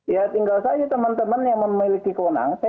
ya tinggal saja teman teman yang memiliki kewenangan